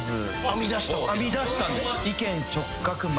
編み出したんです。